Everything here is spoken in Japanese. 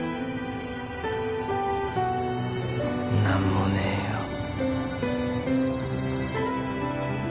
何もねえよ。